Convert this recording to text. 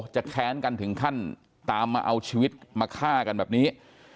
แค้นกันถึงขั้นตามมาเอาชีวิตมาฆ่ากันแบบนี้